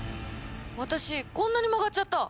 私こんなに曲がっちゃった！